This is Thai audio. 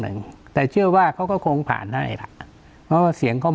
หนึ่งแต่เชื่อว่าเขาก็คงผ่านได้ล่ะเพราะว่าเสียงเขา